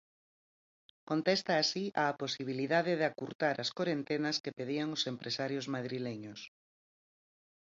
Contesta así á posibilidade de acurtar as corentenas que pedían os empresarios madrileños.